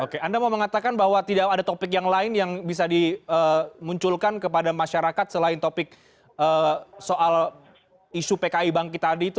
oke anda mau mengatakan bahwa tidak ada topik yang lain yang bisa dimunculkan kepada masyarakat selain topik soal isu pki bangkit tadi itu